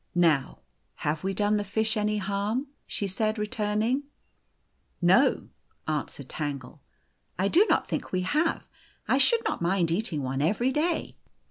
" Now have we done the fish any harm ?" she said, returning. " No," answered Tande, " I do not think we have. O ' I should not rnind eating one every day."